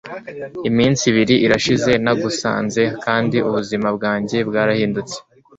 iminsi ibiri irashize nagusanze kandi ubuzima bwanjye bwarahindutse